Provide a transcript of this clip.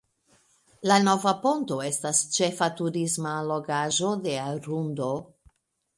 La "Nova Ponto" estas ĉefa turisma allogaĵo de Arundo.